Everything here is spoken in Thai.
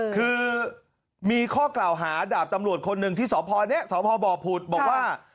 คือมีข้อกล่าวหาดาบตำรวจคนหนึ่งที่สพนี้สพบผุดบอกว่า